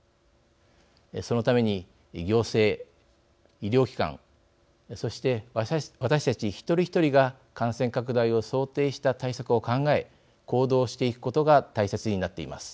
そのために行政医療機関そして私たち一人一人が感染拡大を想定した対策を考え行動していくことが大切になっています。